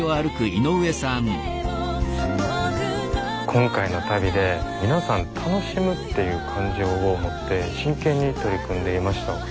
今回の旅で皆さん楽しむっていう感情を持って真剣に取り組んでいました。